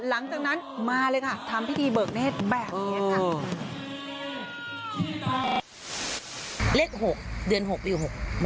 หลังจากนั้นมาเลยค่ะ